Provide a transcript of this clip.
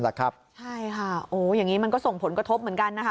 อย่างนี้มันก็ส่งผลกระทบเหมือนกันนะคะ